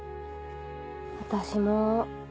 私も。